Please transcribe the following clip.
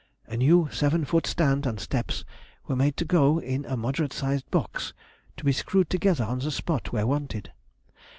A new seven foot stand and steps were made to go in a moderate sized box, to be screwed together on the spot where wanted.